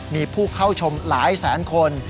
มีผู้เข้าชมหลายแสนคน